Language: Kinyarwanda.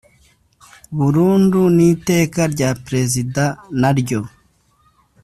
burundu n iteka rya perezida n ryo